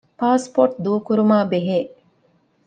ޕާސްޕޯޓް ދޫކުރުމާބެހޭ